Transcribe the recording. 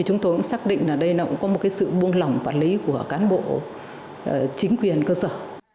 chúng tôi cũng xác định là đây là một sự buông lỏng quản lý của cán bộ chính quyền cơ sở